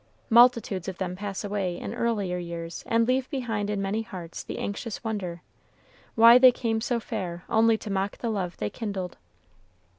Multitudes of them pass away in earlier years, and leave behind in many hearts the anxious wonder, why they came so fair only to mock the love they kindled.